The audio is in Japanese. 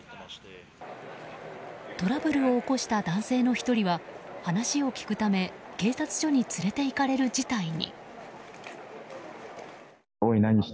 トラブルを起こした男性の１人は、話を聞くため警察署に連れていかれる事態に。